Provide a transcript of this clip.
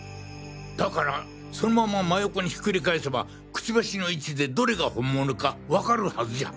だからそのまま真横にひっくり返せばクチバシの位置でどれが本物かわかるハズじゃ。